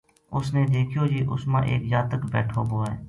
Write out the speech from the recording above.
اُس نے دیکھیو جی اُس ما ایک جاتک بیٹھو بو ہے